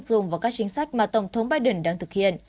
chúng tôi sẽ dùng vào các chính sách mà tổng thống biden đang thực hiện